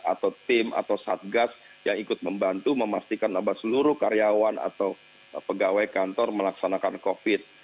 atau tim atau satgas yang ikut membantu memastikan seluruh karyawan atau pegawai kantor melaksanakan covid